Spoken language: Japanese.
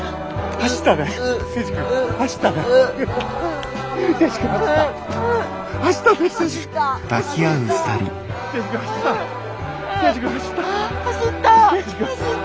走った。